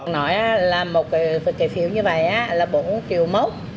nói là một trái phiếu như vậy là bốn triệu mốc